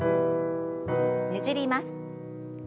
ねじります。